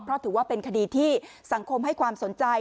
เพราะถือว่าเป็นคดีที่สังคมให้ความสนใจ